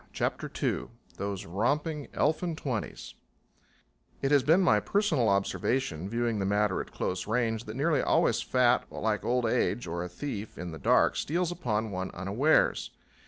CHAPTER II Those Romping Elfin Twenties It has been my personal observation, viewing the matter at close range, that nearly always fat, like old age or a thief in the dark, steals upon one unawares.